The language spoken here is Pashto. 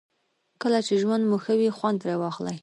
کله چې ژوند مو ښه وي خوند ترې واخلئ.